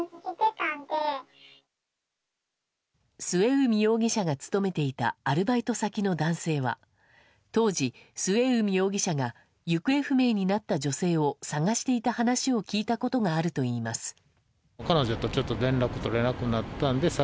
末海容疑者が勤めていたアルバイト先の男性は当時、末海容疑者が行方不明になった女性を探していた話を聞いたことがあるといいます。